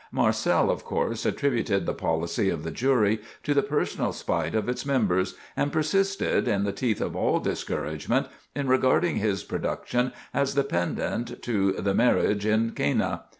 Marcel, of course, attributed the policy of the jury to the personal spite of its members, and persisted, in the teeth of all discouragement, in regarding his production as the pendant to "The Marriage in Cana."